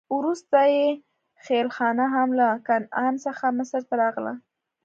وروسته یې خېلخانه هم له کنعان څخه مصر ته راغله.